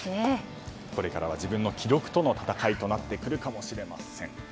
これからは自分の記録との戦いとなってくるかもしれません。